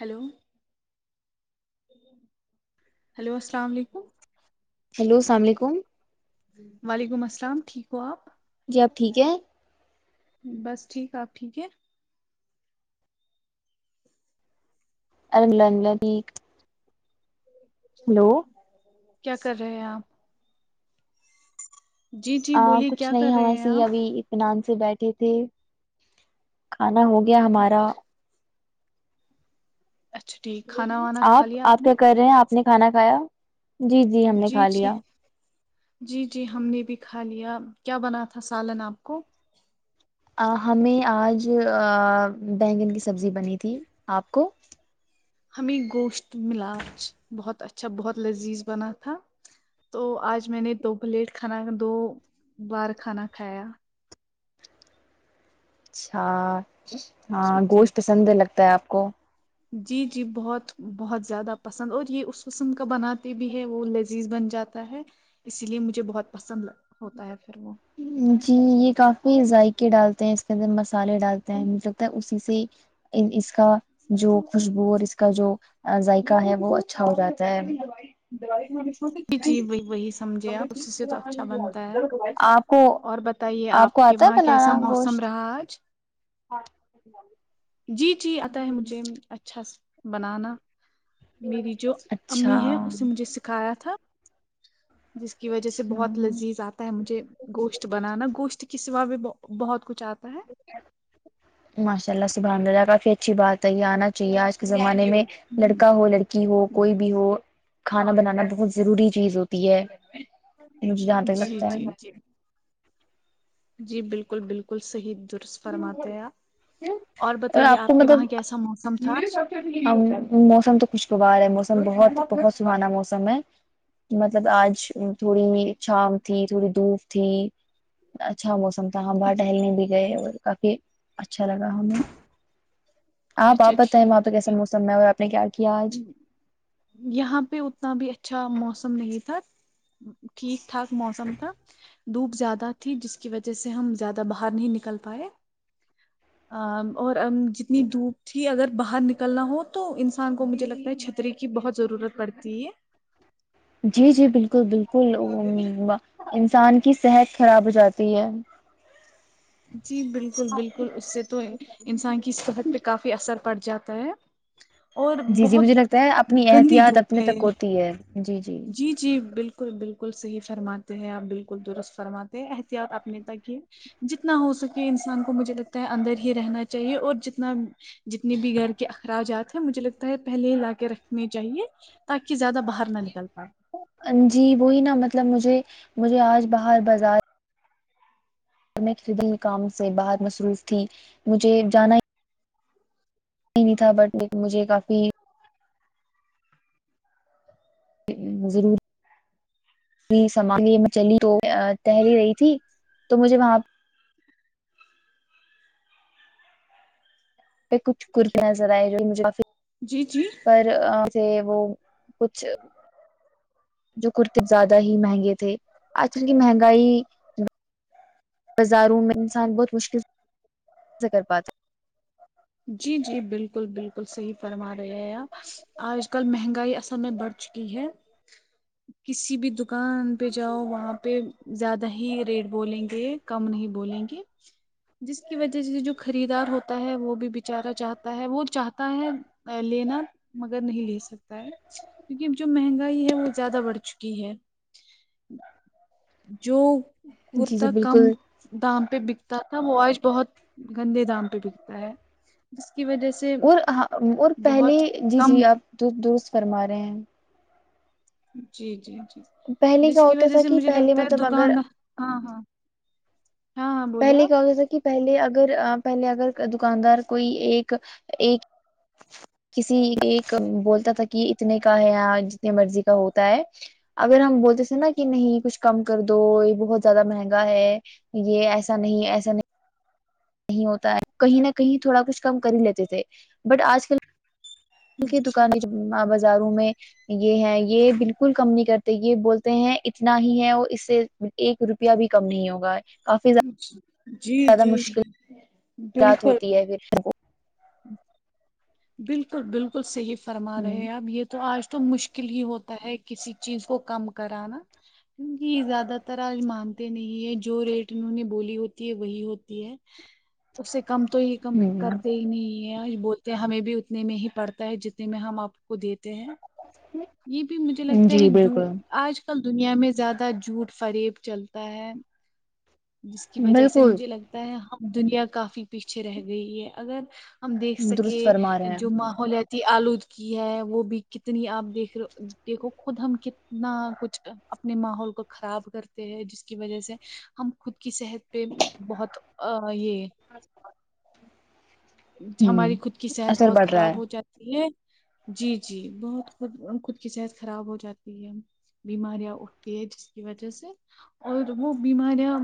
Hello hello السلام علیکم hello السلام علیکم وعلیکم السلام ٹھیک ہو آپ جی آپ ٹھیک ہے بس ٹھیک آپ ٹھیک ہے [unintelligible] ہلو کیا کر رہے ہیں آپ جی جی آ بولیے کچھ کیا کر نہیں ہم رہے ہیں ایسی آپ ابھی نان سے بیٹھے تھے کھانا ہو گیا ہمارا اچھا ٹھیک کھانا وانا کھا آپ لیا آپ نے کیا کر رہے ہیں آپ نے کھانا کھایا جی ہم نے جی کھا جی لیا جی جی ہم نے بھی کھا لیا کیا بنا تھا سالن آپ کو ا ہمیں آج بگن کی سبزی بنی تھی آپ کو ہمیں گوشت ملاچ بہت اچھا بہت لذیذ بنا تھا تو آج میں نے دو پلیٹ کھانا دو بار کھانا کھایا اچھا ہاں جی جی گوشت پسند لگتا ہے آپ کو جی جی بہت بہت زیادہ پسند اور یہ اس قسم کا بنا بھی ہے وہ لذیذ بن جاتا ہے اسی لیے مجھے بہت پسند ہوتا ہے پھر وہ جی یہ کافی ذائقے ڈالتے ہیں اس کے اندر مسالے ڈالتے ہیں مجھے لگتا ہے اسی سے اس کا جو خوشبو اور اس کا جو ذائقہ ہے وہ اچھا ہو جاتا ہے چھوٹے جی جی وہی وہی سمجھے نہیں آپ اسی سے تو اچھا س بنتا ہے آپ کو اور بتائیے آپ کو کے آتا ہے وہاں کیسا بنانا موسم گوشت آج جی جی آتا ہے مجھے اچھا بنانا میری جو اچھا امی ہے اس نے مجھے سکھایا تھا آس کی وجہ سے اچھا بہت لذیذ آتا ہے مجھے گوشت بنانا گوشت اس سوا بھی بہت کچھ آتا ہے ماشاء اللہ سبہاہ اللہ کافی اچھی بات ہے یہ آنا چاہیے آج کے زمانے میں لڑکا ہو لڑکی ہو کوئی جی بھی ہو کھانا بنانا بہت ضروری چیز ہوتی ہے مجھے جاندا ہی لگتا ہے جی جی جی بالکل بالکل صحیح درست فرماتے ہیں آپ اور بتائیے آپ کے وہاں کیسا موسم تھا آج ا موسم تو خوشگوار ہے موسم بہت بہت سہانا موسم ہے مطلب آج تھوڑی چھام تھی تھوڑی دھوپ تھی اچھا موسم ساہبہ ٹہلنے بھی گئے اور کافی اچھا لگا ہمیں آپ اچھا آپ بتائیں ٹھیک وہاں پہ کیسا ٹھیک موسم ہے اور آپ نے کیا کیا آج یہاں پہ اتنا بھی اچھا موسم نہیں تھا ٹھیک ٹھاک موسم تھا دھوپ زیادہ تھی جس کی وجہ سے ہم زیادہ باہر نہیں نکل پائے اور جتنی دھوپ تھی اگر باہر نکلنا ہو تو ان سان کو مجھے لگتا ہے چھتری کی بہت ضرورت پڑتی ہے جی جی بالکل بالکل انسان کی صحت خراب ہو جاتی ہے جی بالکل بالکل اس سے تو انسان کی صحت پہ کافی اثر پڑ جاتا ہے اور جی جی بہت مجھے لگتا ہے اپنی گندی احتیاط دھوپ اپنے ہے تک ہوتی ہے جی جی جی بالکل بالکل صحیح فرماتے ہیں آپ بالکل درست فرماتے احتیاط اپنے تک یہ جتنا ہو سکے انسان کو مجھے لگتا ہے اندر ہی رہنا چاہیے اور جتنا جتنے بھی گھر کے اخراجات ہیں مجھے لگتا ہے پہلے ہی لا کے رکھنے چاہیے تاکہ زیادہ باہر نہ نکل پائے جی وہی نا مطلب مجھے مجھے آج باہر بازار میں خبل کاام سے باہر مصروف تھی مجھے جانا ہی نہیں تھا بٹ مجھے کافی ضرور سلی ہلی رہی تھی تو مجھے وہاں پر کچھ کرتییا نظر آئے جو کافی جی جی سے وہ کچھ جو کرتے زیادہ ہی مہنگے تھے آج کل کی مہنگائی بازاروں میں انسان بہت مشکل سے کر پاتا جی جی بالکل بالکل صحیح فرما رہے آپ آج کل مہنگائی اصل میں بڑھ چکی ہے کسی بھی دکان پہ جاؤ وہاں پہ زیادہ ہی ریٹ بولیں گے کم نہیں بولیں گے جس کی وجہ سے جو خریدار ہوتا تا ہے وہ بھی بیچارہ چاہتا ہے وہ چاہتا ہے لینا مگر نہیں لے سکتا ہے کیونکہ جو مہنگائی ہے وہ زیادہ بڑھ چکی ہے جو ہے۔ جی جی کرتا کم بالکل دام پہ بکتا تھا وہ اج بہت گندے دام پہ بکتا جس کی وجہ سے اور ہ اور پہلے بہت جی کم جی آپ ست درست فرما رہے ہیں جی جی جی پہلے کیا جس کی ہوتا وجہ تھا سے کہ مجھے پہلے لگتا ہے مطلب اگر دکاندار ہاں ہاں ہاں ہاں بولے پہلے کیا آپ گیا تھا کہ پہلے اگر پہلے اگر دکاندار کوئی ایک ایک کسی ایک بولتا تھا کہ جتنے کا ہے آج جتنی مرضی کا ہوتا ہے اگر ہم بولتے تھے نا کہ نہیں کچھ کم کر دو یہ بہت زیادہ مہنگا ہے یہ ایسا نہیں ایسا نہیں نہیں ہوتا ہے کہیں نہ کہیں تھوڑا کچھ کم کر ہی لیتے تھے بٹ آج کل کی دکانیں جو ہے بازاروں میں یہ ہے یہ بالکل کم نہیں کرتے یہ بولتے ہیں اتنا ہی ہے اور اس سے ایک روپیہ بھی کم نہیں ہوگا کافی جی زیادہ جی مشکلات بالکل [unintelligible] بالکل بالکل صحیح فرما پھر رہے ہیں آپ یہ تو تو آج تو مشکل ہی ہوتا ہے کسی چیز کو کم کرانا کیونکہ زیادہ تر آج مانتے نہیں ہے جو ریٹ انہوں نے بولی ہوتی ہے وہی ہوتی ہے اس سے کم تو ہی کم کرتے ہ ہی نہیں ہیں ب ہمیں بھی اتنے میں ہی پڑتا ہے جتنے میں ہم آپ کو دیتے ہیں یہ بھی مجھے لگتا ہے جی جو بالکل آج کل دنیا میں زیادہ جھوٹ فریب چلتا ہے جس کی وجہ سے بالکل مجھے لگتا ہے ہم دنیا کافی پیچھے رہ گئی ہے اگر ہم دیکھ سکے درست فرما رہے جو م ہیں ہو جتی آلودگی ہے وہ بھی کتنی آپ دیکھ دیکھو خود ہم ک نہ کچھ اپنے ماحول کو خراب کرتے ہیں جس کی وجہ سے ہم خود کی صحت پہ بہت ا یہ اچھا ہماری خود کی صحت اثر بہت بڑھ رہا ہے خراب ہو جاتی ہے جی جی بہت خود خود کی صحت خراب ہو جاتی ہے بیماریاں اٹھتی ہے جس کی وجہ سے اور وہ بیماریاں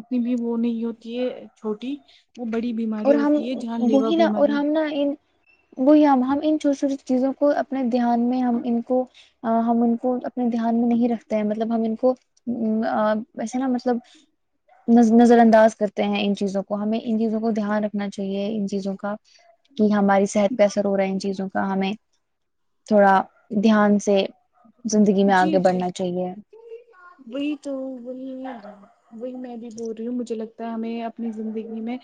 اتنی بھی وہ نہیں ہوتی ہے چھوٹی وہ بڑی اور بیمارییاں ہم ہوتی ہے جہاں لیوا وہی نا اور بیماری ہم نا ان وہی ہم ہم ان چھوٹی چھوٹی چیزوں کو اپنے دھیان میں ہم ان کو ہم ان کو اپنے دھیان میں نہیں رکھتے ہیں مطلب ہم ان کو اب ویسے نا مطلب نظر انداز کرتے ہیں ان چیزوں کو ہمیں ان چیزوں کو دھیان رکھ کرنا چاہیے ان چیزوں کا کہ ہماری صحت پہ اثر ہو رہا ہے ان چیزوں کا ہمیں تھوڑا دھیان سے زندگی میں جی آگے جی بڑھنا چاہیے وہی تو وہی وہی میں بھی بول رہی ہوں مجھے لگتا ہے ہمیں اپنی زندگی میں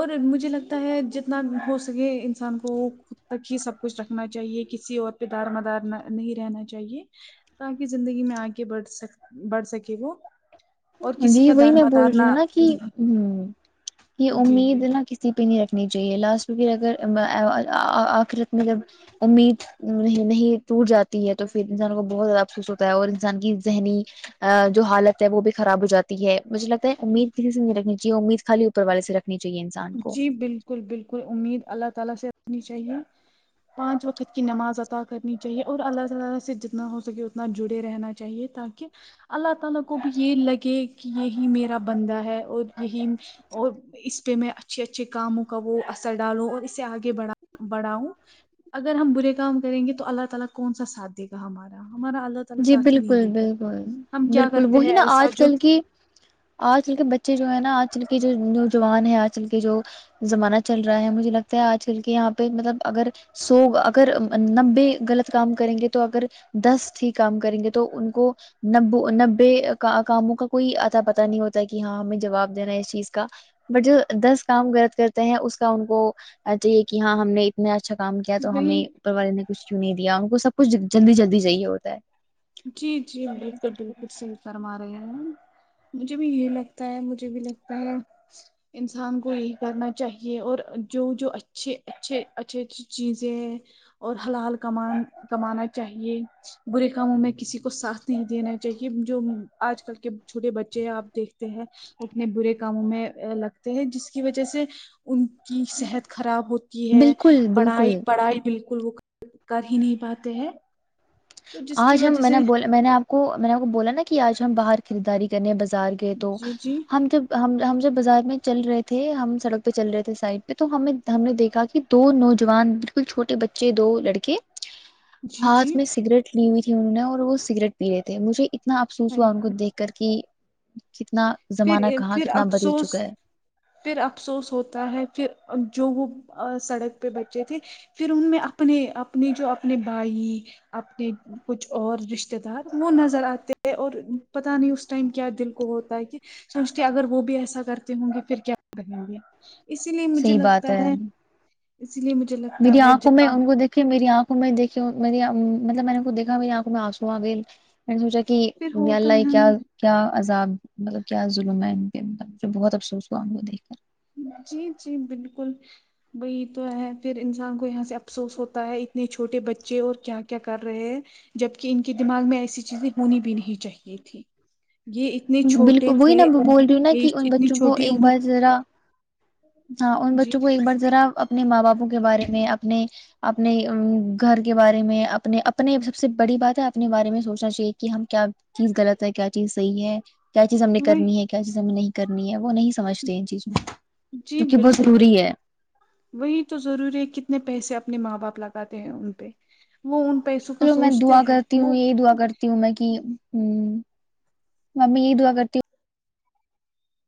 اور مجھے لگتا ہے جتنا ہو سکے انسان کو خود تک ہی سب کچھ رکھنا چاہیے کسی اور پ دار مدار نہ نہیں رہنا چاہیے تاکہ زندگی میں آگے بڑھ سک بڑھ سکے وہ اور کسی جی کا وہی دار میں بول مدار رہی نہ ہوں نا کہ نہیں ہ یہ جی جی امید نہ کسی پہ نہیں رکھنی چاہیے لاسٹ اگر ا ا ا آخرت میں جب امید نہیں نہیں ٹوٹ جاتی ہے تو پھر انسانوں کو بہت زیادہ افسوس ہوتا ہے اور انسان کی ذہنی ا جو حالت ہے وہ بھی خراب ہو جاتی ہے مجھے لگتا ہے امید کسی سے نہیں رنی چاہیے امید خالی اوپر والے سے رکھنی چاہے انسان کو جی بالکل بالکل امید اللہ تعالی سے رکھنی چاہیے پانچ وقت کی نماز اطا کرنی چاہیے اور اللہ تعالی سے جتنا ہو سکے اتنا جڑے رہنا چاہیے تاکہ اللہ تعالی کو بھی یہ لگے کہ یہی میرا بندہ ہے اور ام اور اس پ میں اچھے اچھے کاموں کا وہ اثر ڈالوں اور اسے آگے بڑھا بڑھاؤں اگر ہم برے کام کریں گے تو اللہ تعالی کون سا ساتھ دے گا ہمارا ہمارا اللہ تعالی جی ساتھ ہی بالکل نہیں دے گا بالکل ہم کیا بالکل کرتے ہیں وہی نا ایسا آج جو کل کی آج کل کے بچے جو ہے نا آج کل کے جو نوجوان ہیں آج کل کے جو زمانہ چل رہا ہے مجھے لگتا ہے آج کل کے یہاں پہ مطلب اگر سو اگر نبے غلط کام کریں گے تو اگر دس ا ہی کام کریں گے تو ان کو نبو نبے کاموں کا کوئی آتا پت نہیں ہوتا کہ ہاں ہمیں جواب دینا ہے اس چیز کا بٹ جو دس کام غلط کرتے ہیں اس کا ان کو چاہیے کہ ہاں ہم نے نے اچھا کام کیا تو ہمیں وہی اوپر والے نے کچھ کیوں نہیں دیا ان کو سب کچھ جلدی جلدی چاہیے ہوتا ہے جی جی بالکل بالکل سح فرما رہے ہیں ن مجھے بھی یہی لگتا ہے مجھے بھی لگتا ہے انسان کو یہی کرنا چاہیے اور جو جو اچھے اچھے اچھے اچھی چیزیں اور حل حال کمان کمانا چاہیے برے کاموں میں کسی کو ساتھ نہیں دینا چاہیے جو آج کل کے چھوٹے بچے آپ دیکھتے ہیں اتنے برے کاموں میں لگتے ہیں جس کی وجہ سے ان کی صحت خراب ہوتی ہے بالکل پڑھائی بالکل پڑھائی بال بالکل وہ کر ہی نہیں پاتے ہیں تو جس کی آج ہم وجہ میں سے نے میں نے آپ کو میں نے آپ کو بولا نا کہ آج ہم باہر خریداری کرنی ہیں بازار کی تو جی جی ہم جب ہم ہم جب بازار میں چل رہے تھے ہم سڑک پہ چل رہے تھے سائڈ پہ تو ہم ہم نے دیکھا کہ دو نوجوان بالکل چھوٹے بچے دو لڑکے جی ہاتھ جی میں سگریٹ لی ہوئی تھی انہوں نے اور وہ سگریٹ پی رہے تھے مجھے اتنا افسوس ہائے ہوا ان کو ہائے۔ دیکھ کرک کتنا زمانہ پھر کہاں پھر کتنا بدل افسوس چکا ہے پھر افسوس ہوتا ہے پھر جو وہ سڑک پہ بچے تھے پھر ان میں اپنے اپنے جو اپنے بھائی اپنے کچھ اور رشتے دار وہ نظر آتے ہیں اور پت نہیں اس ٹائم کیا دل کو ہوتا ہے کہ سمجھتے اگر وہ بھی ایسا کرتے ہوں گے پھر کیا کریں گے اسی لیے مجھے صحیح بات لگتا ہے اسی لیے مجھے لگتا ہے جپان پھر میری آنکھوں میں دیکھی میری مطلب میں نےود دیکا میری آنکھوں میں آنسو آ گئےل میں نے سوچا کہ پھر ہوتا ہے اللہ کیا ہم کیا عذاب مطلب کیا ظلم ہے پبجھ بہت افسوس ہوا ان کو دیکھ کر جی جی بالکل بی تو ہے پھر انسان کو یہاں سے افسوس ہوتا ہے اتنے چھوٹے بچے اور کیا کیا کر رہے ہیں جبک ان کے دماغ میں ایسی چیزیں ہونی بھی نہیں چاہیے تھی یہ اتنے کر چھوٹے بالکل وہی تھے نا میں بول رہی ہوں نا کہ ان اتنی بچوں کو چھوٹی ایک عمر بار ذرا ہاں ان جی بچوں کو ایک بار ذرا اپنے ماں باپوں کے بارے میں اپنے اپنے گھر کے بارے میں اپنے اپنے سب سے بڑی بات ہے اپنے بارے میں سوچنا چاہیے کہ ہم کیا چیز غلط ہے کیا چیز صحیح ہے کیا چیز ہم نے وہی کرنی ہے کیا چیز ہمیں نہیں کرنی ہے وہ نہیں سمجھتے ہیں ان چیز میں جی جو کہ بہت بالکل ضروری بالکل ہے وہی تو ضروری ہے کتنے پیسے اپنے ماں باپ لگاتے ہیں ان پہ وہ پیسو چلو میں دا کرتی ہوں یہی دعا کرتی ہوں میں کہ ہ ممی یہ دعا کرتی ہوں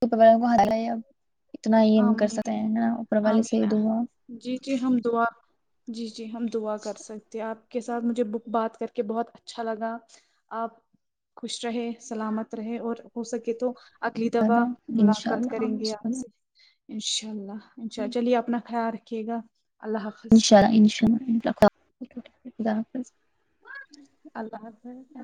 اوپر والے کے حوالے اب اتنا ہی ہم کر سکتے آمین ہیں ا اوپر والے سے آمین ہی دعا جی جی ہم دعا جی جی ہم دعا کر سکتے ہیں آپ کے ساتھ مجھے بک بات کر کے بہت اچھا لگا آپ خوش رہے سلامت رہے اور ہو سکے تو اگلی دفع ان شاء ملاقات اللہ کریں ان گے شاء آپ سے انشاء اللہ اچھا چلیے اپنا خیال رکھیے گا اللہ ان حافظ شاء اللہ ان شاء اللہ خدا حافظ اللہ حافظ